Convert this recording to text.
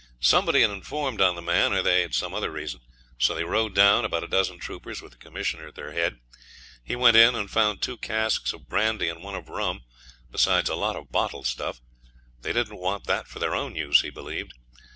Somebody had informed on the man, or they had some other reason; so they rode down, about a dozen troopers, with the Commissioner at their head. He went in and found two casks of brandy and one of rum, besides a lot of bottled stuff. They didn't want that for their own use, he believed.